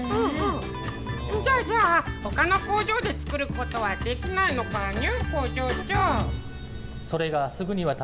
じゃあじゃあ、ほかの工場で作ることはできないのかにゅ。